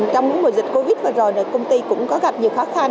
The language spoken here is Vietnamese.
trong những mùa dịch covid vừa rồi công ty cũng có gặp nhiều khó khăn